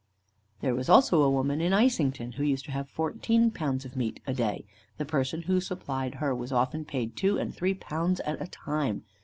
"There was also a woman in Islington who used to have fourteen pounds of meat a day. The person who supplied her was often paid two and three pounds at a time.